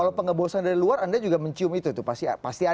kalau pengebosan dari luar anda juga mencium itu pasti ada